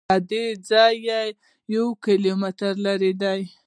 دا له دې ځایه یو کیلومتر لرې دی.